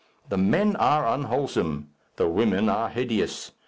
The men are unwholesome. The women are hideous.